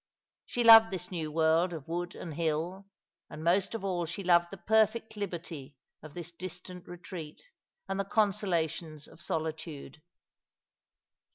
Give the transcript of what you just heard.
She loved this new world of wood and hill, and most of all she loved the perfeci liberty of this distant retreat, and the consolations of soli tude.